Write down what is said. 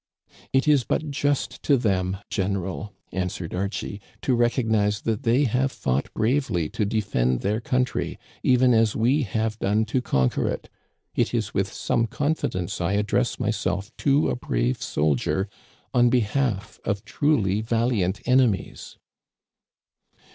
It is but just to them, general,* answered Archie, *to recognize that they have fought bravely to defend their country, even as we have done to conquer it. It is with some confidence I address myself to a brave sol dier, on behalf of truly valiant enemies.